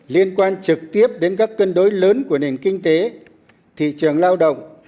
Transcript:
liên quan trực tiếp đến các cân đối lớn của nền kinh tế thị trường lao động